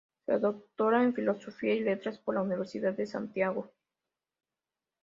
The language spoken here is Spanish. Se doctora en Filosofía y Letras por la Universidad de Santiago.